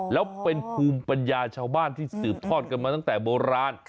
แล้วเป็นภูมิปัญญาชาวบ้านที่สืบทอดกันมาตั้งแต่โบราณ